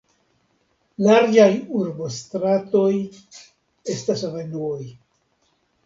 Larĝaj urbostratoj estas avenuoj.